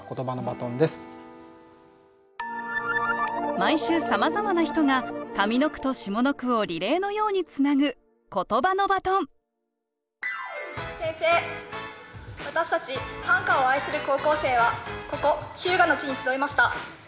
毎週さまざまな人が上の句と下の句をリレーのようにつなぐ宣誓私たち短歌を愛する高校生はここ日向の地に集いました。